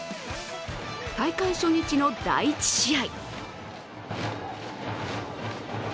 大会初日の第１試合。